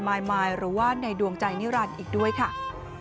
และเพลงที่๙ทรงโปรดที่๙ทรงโปรด